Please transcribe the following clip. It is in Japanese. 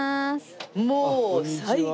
もう最高！